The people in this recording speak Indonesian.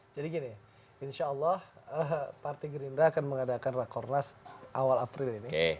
jadi gini insya allah partai gerindra akan mengadakan rekor nas awal april